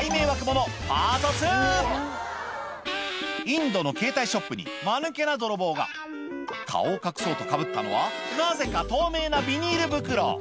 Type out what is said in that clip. インドのケータイショップにマヌケな泥棒が顔を隠そうとかぶったのはなぜか透明なビニール袋